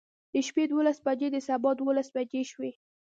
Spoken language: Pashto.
د شپې دولس بجې د سبا دولس بجې شوې.